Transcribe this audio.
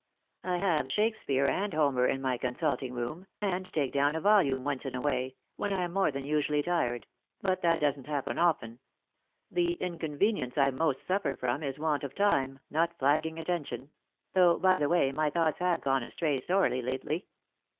I have Shakespeare and Homer in my consulting room, and take down a volume once in a way, when I am more than usually tired; but that doesn't happen often. The inconvenience I most suffer from is want of time, not flagging attention ; though, by the way, my thoughts have gone astray sorely lately."